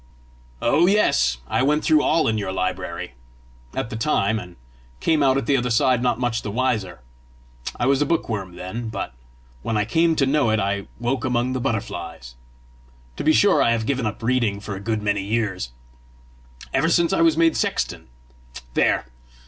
"Oh, yes! I went through all in your library at the time, and came out at the other side not much the wiser. I was a bookworm then, but when I came to know it, I woke among the butterflies. To be sure I have given up reading for a good many years ever since I was made sexton. There!